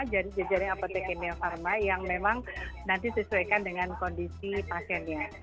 jadi jaring apothecary kinia pharma yang memang nanti disesuaikan dengan kondisi pasiennya